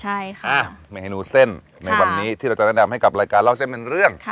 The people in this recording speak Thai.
ใช่ค่ะเมนูเส้นในวันนี้ที่เราจะแนะนำให้กับรายการเล่าเส้นเป็นเรื่อง